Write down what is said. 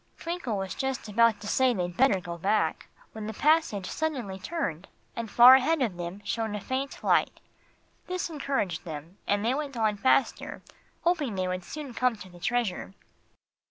Twinkle was just about to say they'd better go back, when the passage suddenly turned, and far ahead of them shone a faint light. This encouraged them, and they went on faster, hoping they would soon come to the treasure.